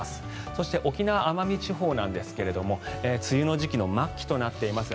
そして沖縄・奄美地方なんですが梅雨の時期の末期となっています。